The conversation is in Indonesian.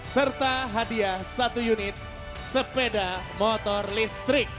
serta hadiah satu unit sepeda motor listrik